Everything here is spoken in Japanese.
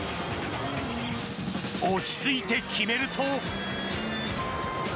落ち着いて決めると。